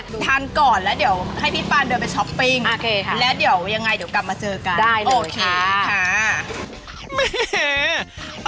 ทานก่อนแล้วเดี๋ยวให้พี่ปานเดินไปช้อปปิ้งแล้วเดี๋ยวยังไงเดี๋ยวกลับมาเจอกันโอเคค่ะ